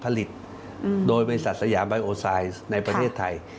ผลิตโดยบริษัทสยามไบโอไซด์ในประเทศไทย